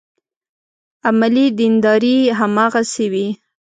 عملي دینداري هماغسې وي.